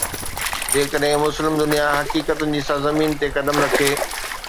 جيڪڏهن مسلم دنيا حقيقتن جي سرزمين تي قدم رکي.